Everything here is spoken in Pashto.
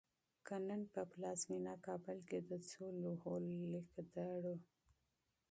که نن په پلازمېنه کابل کې د څو لوحو لیکدړو